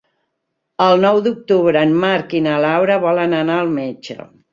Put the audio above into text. El nou d'octubre en Marc i na Laura volen anar al metge.